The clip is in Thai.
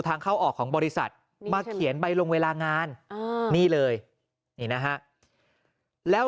ทางเข้าออกของบริษัทมาเขียนใบลงเวลางานนี่เลยนี่นะฮะแล้ว